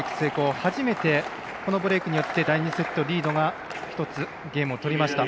初めて、このブレークによって第２セット、リードが１つゲームを取りました。